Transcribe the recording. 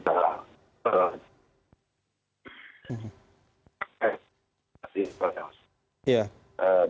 terima kasih pak